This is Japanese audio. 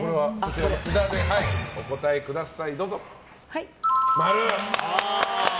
札でお答えください。